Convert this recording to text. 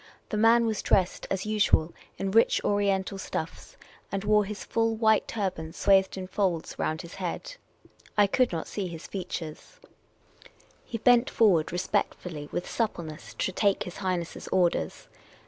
The man was dressed as usual in rich Oriental stuffs, and wore his full white turban swathed in folds round his head. I could not see his features. He bent forward respectfully with Oriental 296 Miss Cayley's Adventures suppleness to take his Highness's orders.